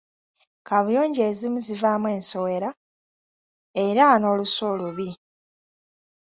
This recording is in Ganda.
Kabuyonjo ezimu zivaamu ensowera era n‘olusu olubi.